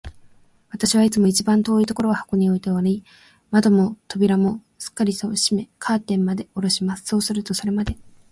私はいつも一番遠いところに箱を置いてもらい、扉も窓もすっかり閉め、カーテンまでおろします。そうすると、それでまず、どうにか聞けるのでした。